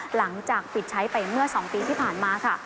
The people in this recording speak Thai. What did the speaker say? หลังจากปิดใช้ไปเมื่อ๒ปีที่ผ่านมาค่ะ